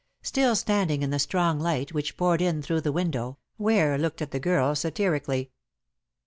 Still standing in the strong light which poured in through the window, Ware looked at the girl satirically.